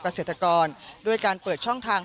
เกษตรกรด้วยการเปิดช่องทาง